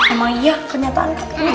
emang iya kenyataan kak